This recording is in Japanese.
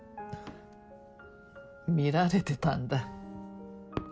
見られてたんだ。